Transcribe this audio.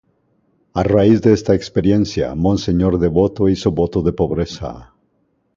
A raíz de esta experiencia, Monseñor Devoto hizo votos de pobreza.